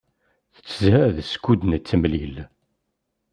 Tettzad skud nettemlil.